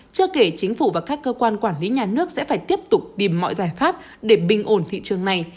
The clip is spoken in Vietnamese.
chưa kể chính phủ và các cơ quan quản lý nhà nước sẽ phải tiếp tục tìm mọi giải pháp để bình ổn thị trường này